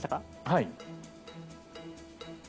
はい。